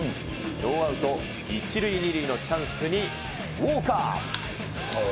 ノーアウト１塁２塁のチャンスにウォーカー。